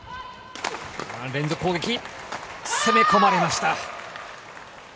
連続攻撃、攻め込まれました。